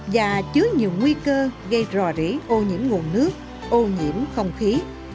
và chứa nhiều nguy cơ gây rò rỉ ô nhiễm nguồn nước ô nhiễm không khí